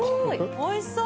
おいしそう！